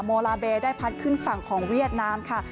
โมลาเบได้พัดขึ้นฝั่งของเวียดนามค่ะ